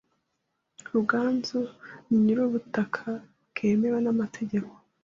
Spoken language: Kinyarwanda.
Ruganzu ni nyir'ubutaka bwemewe n'amategeko.